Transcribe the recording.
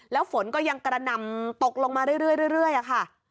แล้วฝนก็ยังกระหน่ำตกลงมาเรื่อยค่ะ